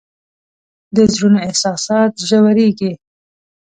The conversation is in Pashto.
د زړونو احساسات ژورېږي